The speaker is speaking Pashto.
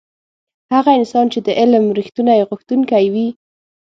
هغه انسان چې علم رښتونی غوښتونکی وي.